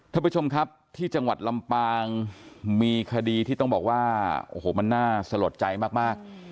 ท่านผู้ชมครับที่จังหวัดลำปางมีคดีที่ต้องบอกว่าโอ้โหมันน่าสลดใจมาก